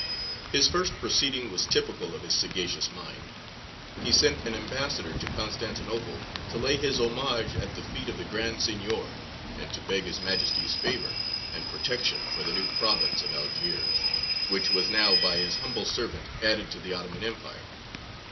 His first proceeding was typical of his sagacious mind. He sent an ambassador to Constantinople, to lay his homage at the feet of the Grand Signior, and to beg his Majesty's favour and protection for the new province of Algiers, which was now by his humble servant added to the Ottoman Empire.